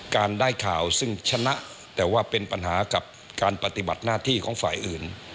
การได้ข่าวซึ่งชนะแต่ว่าเป็นปัญหากับการปฏิบัติหน้าที่ของฝ่ายอื่น